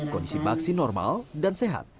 kondisi baksin normal dan sehat